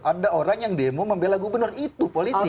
ada orang yang demo membela gubernur itu politik